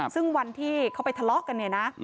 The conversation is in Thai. ซึ่งวันที่เขาไปทะเลาะกันเนี่ยนะ